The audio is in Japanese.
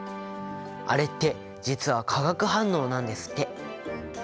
あれって実は化学反応なんですって。